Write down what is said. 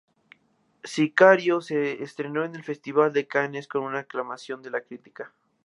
Sicario se estrenó en el Festival de Cannes con una aclamación de la crítica.